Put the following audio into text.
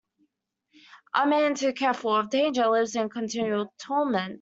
A man too careful of danger lives in continual torment.